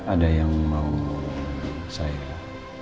ada yang mau saya